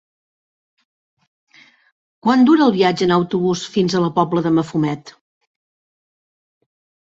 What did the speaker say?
Quant dura el viatge en autobús fins a la Pobla de Mafumet?